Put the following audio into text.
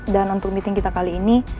dan untuk meeting kita kali ini